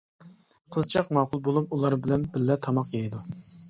قىزچاق ماقۇل بولۇپ ئۇلار بىللە تاماق يەيدۇ.